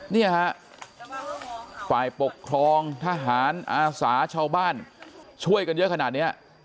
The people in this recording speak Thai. เนี่ยฮะฝ่ายปกครองทหารอาสาชาวบ้านช่วยกันเยอะขนาดนี้